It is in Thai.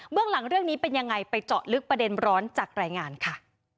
เรื่องหลังเรื่องนี้เป็นยังไงไปเจาะลึกประเด็นร้อนจากรายงานค่ะ